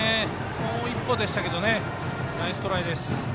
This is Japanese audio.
もう１歩でしたがナイストライです。